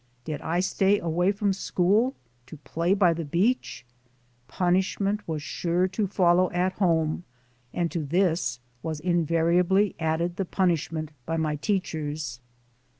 Did I stay away from school to play by the beach, punishment was sure to follow at home, and to this was invariably added the punishment by my teachers.